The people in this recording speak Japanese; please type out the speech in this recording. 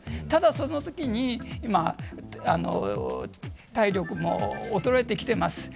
ただ、そのときに今、体力も衰えてきています。